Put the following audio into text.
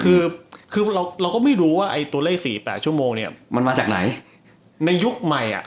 คือคือเราเราก็ไม่รู้ว่าไอ้ตัวเลขสี่แปดชั่วโมงเนี้ยมันมาจากไหนในยุคใหม่อ่ะ